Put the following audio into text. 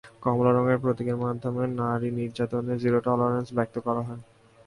কমলা রঙের প্রতীকের মাধ্যমে নারী নির্যাতনে জিরো টলারেন্স ব্যক্ত করা হয়।